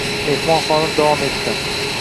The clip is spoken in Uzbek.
Mexmon xonim davom etdi: